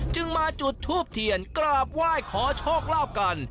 จึงมาจุดทูบเทียนกราบไหว้ขอโชคลาภกัน